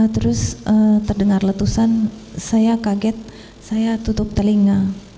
terus terdengar letusan saya kaget saya tutup telinga